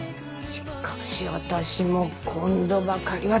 しかし私も今度ばかりは痛感したわ。